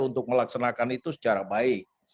untuk melaksanakan itu secara baik